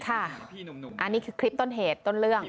อันนี้คือคลิปต้นเหตุต้นเรื่อง